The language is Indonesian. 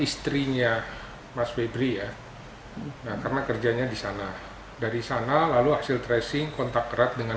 istrinya mas febri ya karena kerjanya di sana dari sana lalu hasil tracing kontak erat dengan